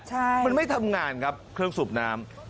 ใช่มันไม่ทำงานครับเครื่องสูบน้ำ